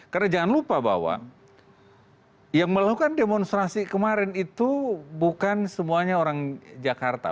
karena jangan lupa bahwa yang melakukan demonstrasi kemarin itu bukan semuanya orang jakarta